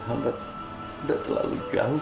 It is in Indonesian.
hamba sudah terlalu jauh